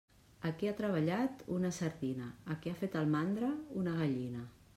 A qui ha treballat, una sardina; a qui ha fet el mandra, una gallina.